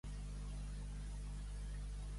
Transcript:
A la comunió ves-hi amb gran devoció.